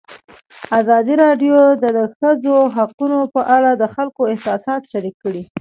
ازادي راډیو د د ښځو حقونه په اړه د خلکو احساسات شریک کړي.